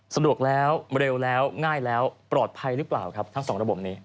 สะดวกแล้วเร็วแล้วง่ายแล้วปลอดภัยหรือเปล่าครับทั้งสองระบบนี้